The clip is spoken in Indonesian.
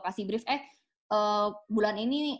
kasih brief eh bulan ini